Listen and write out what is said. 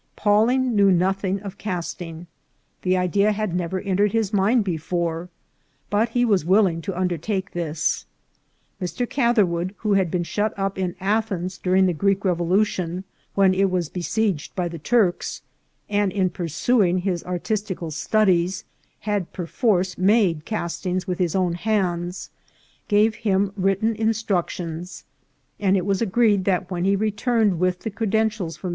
Pawling knew nothing of casting. The idea had never entered his mind before, but he was willing to undertake this. Mr. Catherwood, who had been shut up in Athens during the Greek Revolu tion, when it was besieged by the Turks, and in pursu ing his artistical studies had perforce made castings with his own hands, gave him written instructions, and it was agreed that when he returned with the creden DEPARTURE FROM PALENQUE.